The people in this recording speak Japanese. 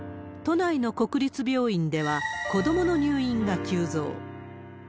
都内の国立病院では、子どもの入院が急増。